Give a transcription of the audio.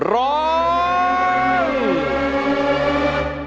ร้อง